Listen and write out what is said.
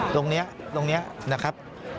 ตรงนี้ตรงนี้นะครับ